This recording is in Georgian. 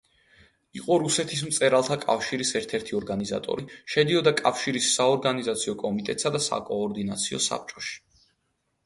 იყო რუსეთის მწერალთა კავშირის ერთ-ერთი ორგანიზატორი, შედიოდა კავშირის საორგანიზაციო კომიტეტსა და საკოორდინაციო საბჭოში.